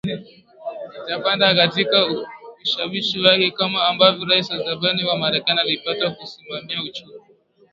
itapanda katika ushawishi wake Kama ambavyo Rais wa zamani wa Marekani alipata kusemani uchumi